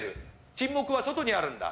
沈黙は外にあるんだ。